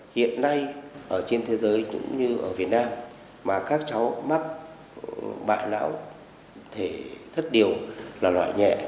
hiện nay ở trên thế giới cũng như ở việt nam mà các cháu mắc bạ não thể thất điều là loại nhẹ